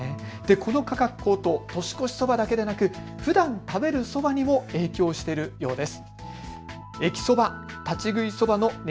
この価格高騰、年越しそばだけでなくふだん食べるそばにも影響しているようです。